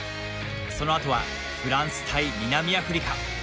そのあとはフランス対南アフリカ。